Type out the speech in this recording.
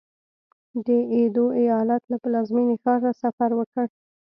د ایدو ایالت له پلازمېنې ښار ته سفر وکړ.